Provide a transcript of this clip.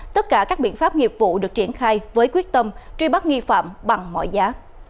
tất cả các biện pháp nghiệp vụ được triển khai với quyết tâm truy bắt nghi phạm bằng mọi giá